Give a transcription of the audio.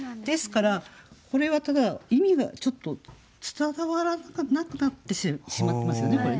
ですからこれはただ意味がちょっと伝わらなくなってしまってますよね